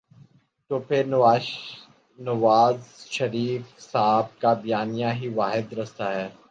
تو پھر نوازشریف صاحب کا بیانیہ ہی واحد راستہ ہے۔